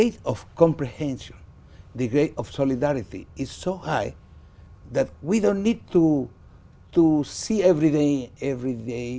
tôi học sinh trong trường thơm mai